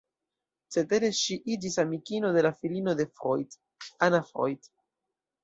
Cetere ŝi iĝis amikino de la filino de Freud, Anna Freud.